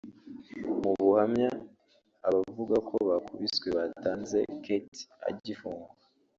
Mu buhamya abavuga ko bakubiswe batanze Kate agifungwa